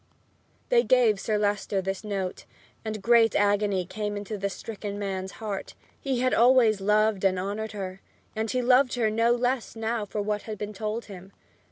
They gave Sir Leicester this note, and great agony came to the stricken man's heart. He had always loved and honored her, and he loved her no less now for what had been told him.